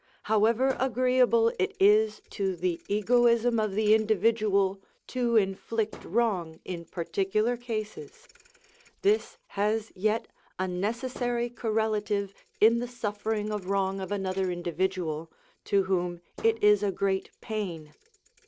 However agreeable it is to the egoism of the individual to inflict wrong in particular cases, this has yet a necessary correlative in the suffering of wrong of another individual, to whom it is a great pain.